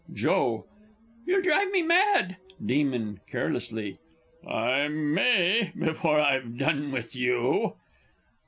_ Joe. You'll drive me mad! Demon (carelessly). I may before I've done with you!